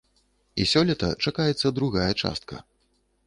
І сёлета чакаецца другая частка.